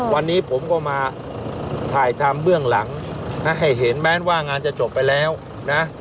วันนี้ผมก็มาถ่ายทำเบื้องหลังให้เห็นแม้ว่างานจะจบไปแล้วนะ